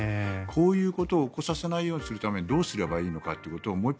こういうことを起こさせないようにするためにどうすればいいかということをもう一遍